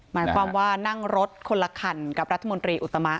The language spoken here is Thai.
หมายความว่านั่งรถคนละคันกับรัฐมนตรีอุตมะ